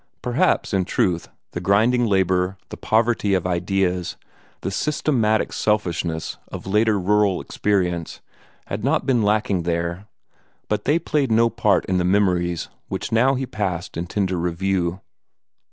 Perhaps, in truth, the grinding labor, the poverty of ideas, the systematic selfishness of later rural experience, had not been lacking there; but they played no part in the memories which now he passed in tender review.